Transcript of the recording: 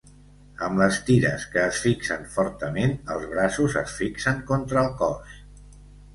Amb les tires que es fixen fortament, els braços es fixen contra el cos.